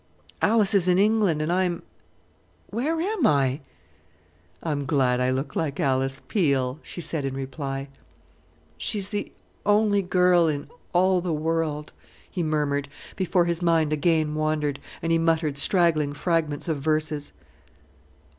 Alice is in England, and I am where am I?" "I'm glad I look like Alice Peel," she said in reply. "She's the only girl in all the world," he murmured, before his mind again wandered, and he muttered straggling fragments of verses.